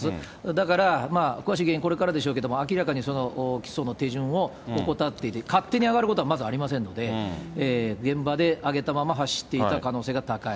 だから詳しい原因はこれからでしょうけれども、明らかに基礎の手順を怠っていて、勝手に上がることはまずありませんので、現場で上げたまま走っていた可能性が高い。